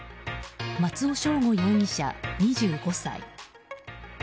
松尾将吾容疑者、２５歳。